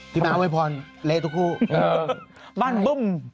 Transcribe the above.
ที่ม้าอวยพรเละทุกคู่เออบ้านบึ้ม